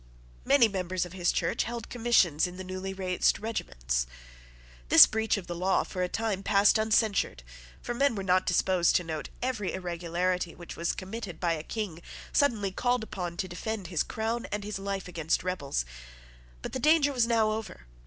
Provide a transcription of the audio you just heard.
Many members of his Church held commissions in the newly raised regiments. This breach of the law for a time passed uncensured: for men were not disposed to note every irregularity which was committed by a King suddenly called upon to defend his crown and his life against rebels. But the danger was now over.